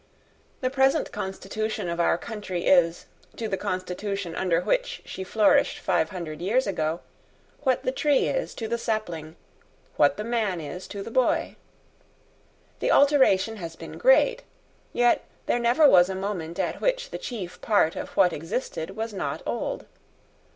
The present constitution of our country is, to the constitution under which she flourished five hundred years ago, what the tree is to the sapling, what the man is to the boy. The alteration has been great. Yet there never was a moment at which the chief part of what existed was not old.